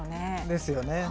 ですよね。